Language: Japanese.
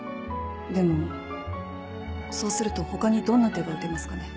でもそうすると他にどんな手が打てますかね。